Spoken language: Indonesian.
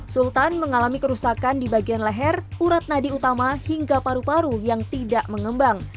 sultan mengalami kerusakan di bagian leher urat nadi utama hingga paru paru yang tidak mengembang